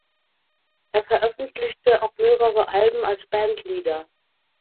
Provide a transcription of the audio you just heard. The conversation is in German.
Er veröffentlichte auch mehrere Alben als Bandleader.